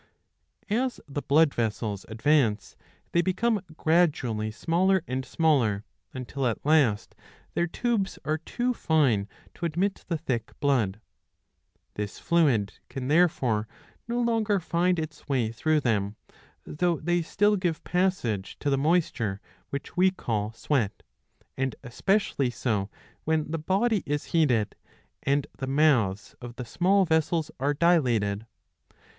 As the blood vessels advance, they become gradually smaller and smaller, until at last their tubes are too fine to admit the thick blood. This fluid can therefore no longer find its way through them, though they still give passage to the moisture which we call sweat ; and especially so when the body is heated, and the mouths of the small vessels are dilated.